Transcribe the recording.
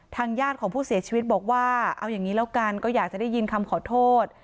ญาติของผู้เสียชีวิตบอกว่าเอาอย่างนี้แล้วกันก็อยากจะได้ยินคำขอโทษ